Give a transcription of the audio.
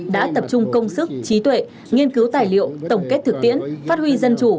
đã tập trung công sức trí tuệ nghiên cứu tài liệu tổng kết thực tiễn phát huy dân chủ